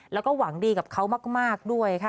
แล้วก็หวังดีกับเขามากด้วยค่ะ